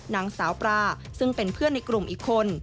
นางสาวปลาซึ่งเป็นเพื่อนในกลุ่มอีกคน